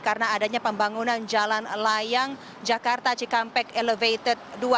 karena adanya pembangunan jalan layang jakarta cikampek elevated dua